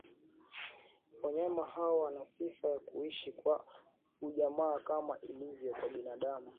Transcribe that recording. Wanyama hao wana sifa ya kuishi kwa ujamaa kama ilivyo kwa binadamu